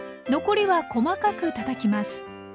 残りは細かくたたきます。